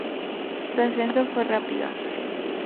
Su ascenso fue rápido.